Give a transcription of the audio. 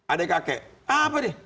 adik kakek apa nih